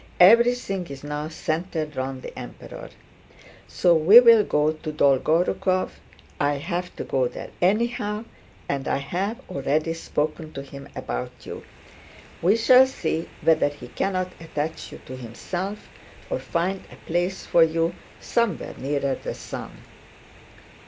Everything is now centered round the Emperor. So we will go to Dolgorúkov; I have to go there anyhow and I have already spoken to him about you. We shall see whether he cannot attach you to himself or find a place for you somewhere nearer the sun."